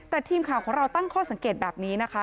แต่ทีมข่าวของเราตั้งข้อสังเกตแบบนี้นะคะ